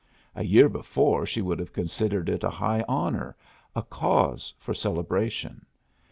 A year before she would have considered it a high honor, a cause for celebration.